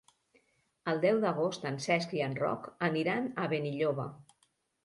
El deu d'agost en Cesc i en Roc aniran a Benilloba.